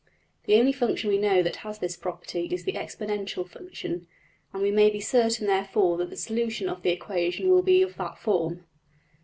The only function we know that has this property is the exponential function (see \Pageref{unchanged}), and we may be certain therefore that the solution of the equation will be of that form.